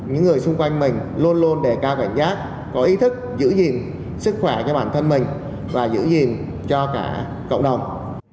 những người xung quanh mình luôn luôn đề cao cảnh giác có ý thức giữ gìn sức khỏe cho bản thân mình và giữ gìn cho cả cộng đồng